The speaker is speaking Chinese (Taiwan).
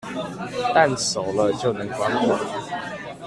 蛋熟了就能關火